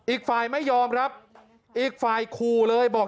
อีกฝ่ายไม่ยอมครับอีกฝ่ายขู่เลยบอก